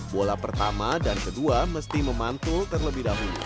bola pertama dan kedua mesti memantul terlebih dahulu